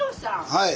はい。